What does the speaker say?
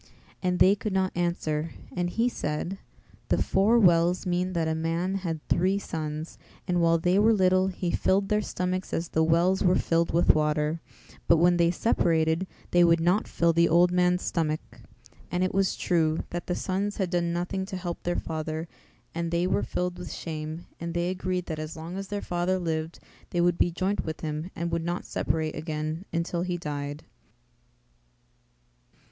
And they could not answer and he said, "The four wells mean that a man had three sons, and while they were little he filled their stomachs as the wells were filled with water; but when they separated they would not fill the old man's stomach." And it was true, that the sons had done nothing to help their father and they were filled with shame and they agreed that as long as their father lived they would be joint with him and would not separate again until he died.